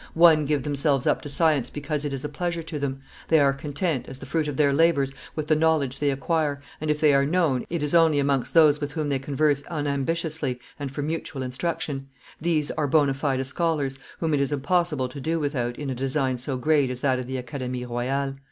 "One give themselves up to science because it is a pleasure to them: they are content, as the fruit of their labors, with the knowledge they acquire, and, if they are known, it is only amongst those with whom they converse unambitiously and for mutual instruction; these are bona fide scholars, whom it is impossible to do without in a design so great as that of the Academie royale.